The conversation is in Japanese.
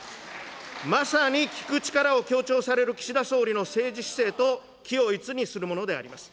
まさに聞く力を強調される岸田総理の政治姿勢と軌を一にするものであります。